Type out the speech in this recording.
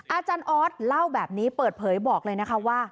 อาจารย์ออสเล่าแบบนี้เปิดเผยบอกเลยนะคะว่า